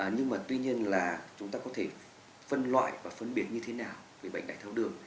nhưng mà tuy nhiên là chúng ta có thể phân loại và phân biệt như thế nào về bệnh đại thao đường